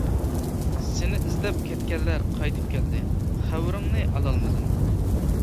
سېنى ئىزدەپ كەتكەنلەر قايتىپ كەلدى، خەۋىرىڭنى ئالالمىدىم.